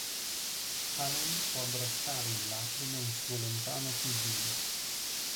Haley può abbracciare in lacrime un suo lontano cugino.